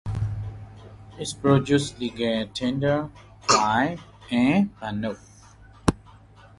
It produces legal tender coins and banknotes.